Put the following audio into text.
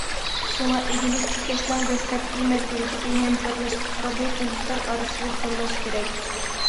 شۇڭا، ئىگىلىك تىكلەشنىڭ دەسلەپكى مەزگىلىدىكى ھەمكارلاشقۇچىلارنى تونۇشلار ئارىسىدىن تاللاش كېرەك.